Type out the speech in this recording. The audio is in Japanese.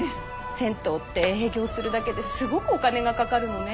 銭湯って営業するだけですごくお金がかかるのね。